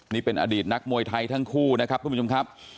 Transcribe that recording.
นี่เป็นอดีตนักมวยไทยทั้งคู่นะครับทุกผู้ชมครับ